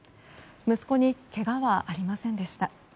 息子にけがはありませんでした。